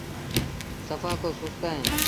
سڦآ ڪو سُست اهيݩ۔